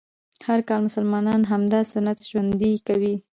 هر کال مسلمانان همدا سنت ژوندی کوي